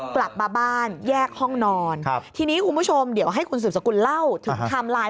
กลับมาบ้านแยกห้องนอนครับทีนี้คุณผู้ชมเดี๋ยวให้คุณสืบสกุลเล่าถึงไทม์ไลน์